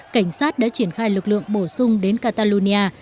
cảnh sát đã triển khai lực lượng bổ sung đến catalonia